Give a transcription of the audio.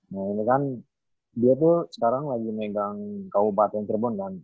nah ini kan dia tuh sekarang lagi megang kabupaten cirebon kan